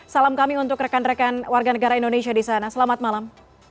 salam kami untuk rekan rekan warga negara indonesia di sana selamat malam